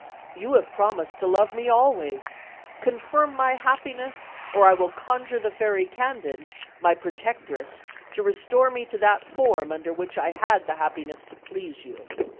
You have promised to love me always; confirm my happiness or I will conjure the Fairy Candid, my protectress, to restore to me that form under which I had the happiness to please you."